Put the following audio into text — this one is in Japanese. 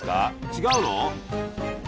違うの？